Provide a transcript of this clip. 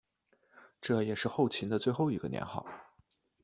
这也是后秦的最后一个年号。